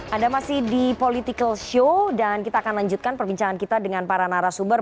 anda masih di political show dan kita akan lanjutkan perbincangan kita dengan para narasumber